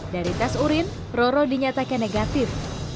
dari tes urin roro dinyatakan negatif